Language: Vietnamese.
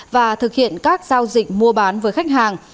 và thực hiện các giao dịch mua bán với khách hàng